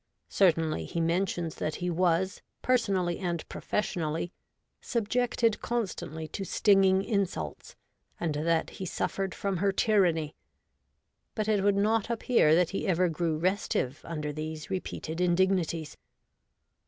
Certainly, he mentions that he was, personally and professionally, subjected constantly to stinging insults, and that he suffered from her tyranny ; but it would not appear that he ever grew restive under these repeated indignities.